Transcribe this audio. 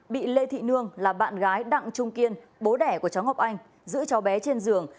bị lê thị nương là bạn gái đặng trung kiên bố đẻ của cháu ngọc anh giữ cháu bé trên giường